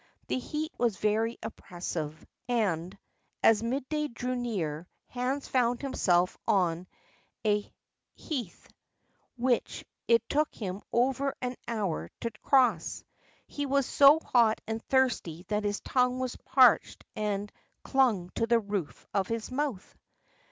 The heat was very oppressive, and, as midday drew near, Hans found himself on a heath which it took him an hour to cross. He was so hot and thirsty that his tongue was parched and clung to the roof of his mouth.